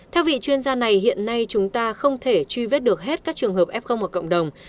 theo vị chuyên gia này hiện nay chúng ta không thể truy vết được hết các trường hợp f một ở cộng đồng